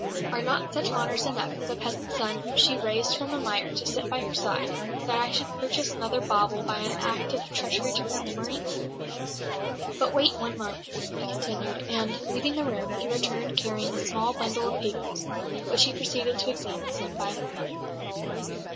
Are not such honours enough for the peasant's son whom she raised from the mire to sit by her side, that I should purchase another bauble by an act of treachery to her memory? "But wait one moment," he continued; and, leaving the room, he returned carrying a small bundle of papers, which he proceeded to examine one by one.